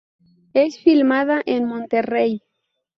Es filmada en Monterrey.